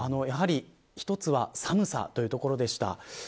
やはり一つは寒さというところでした。